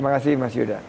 terima kasih mas yuda